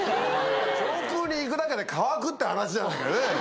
「上空に行くだけで乾く」って話じゃねえかよねぇ。